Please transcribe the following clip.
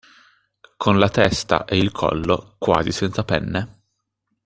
Con la testa e il collo quasi senza penne